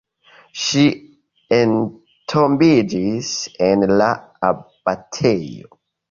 Ŝi entombiĝis en la abatejo.